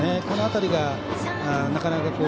この辺りがなかなか。